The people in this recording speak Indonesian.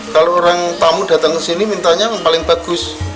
kalau orang tamu datang ke sini mintanya yang paling bagus